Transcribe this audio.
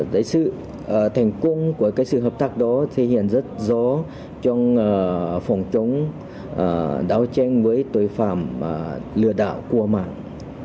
đấy sự thành công của cái sự hợp tác đó thể hiện rất rõ trong phòng chống đảo tranh với tội phạm lừa đảo của mạng